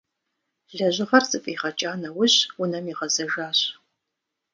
Лэжьыгъэр зэфӏигъэкӏа нэужь унэм игъэзэжащ.